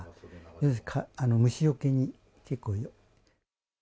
要するに、虫よけに結構よい。